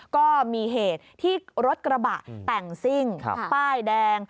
ก็มีเหตุที่รถกระบะแต่งซิ่งป้ายแดง